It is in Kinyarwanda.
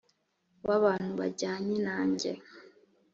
w abantu bajyanye nanjye